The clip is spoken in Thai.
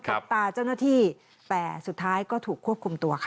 กับตาเจ้าหน้าที่แต่สุดท้ายก็ถูกควบคุมตัวค่ะ